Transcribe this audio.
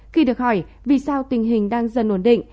khi được hỏi vì sao tình hình đang dần ổn định